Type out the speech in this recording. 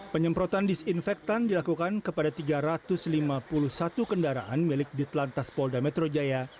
penyemprotan disinfektan dilakukan kepada tiga ratus lima puluh satu kendaraan milik ditlantas polda metro jaya